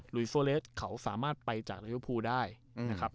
ฤทธิ์โซเลสเขาสามารถไปจากเลี่ยวภูได้นะครับ